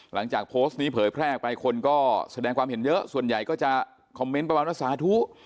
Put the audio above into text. หลังจากโพสต์นี้เผยแพร่ออกไปคนก็แสดงความเห็นเยอะส่วนใหญ่ก็จะคอมเมนต์ประมาณว่าสาธุ